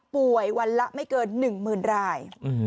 ป่วยวันละไม่เกิน๔๐๐๐๐ลาย